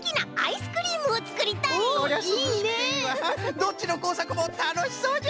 どっちのこうさくもたのしそうじゃ。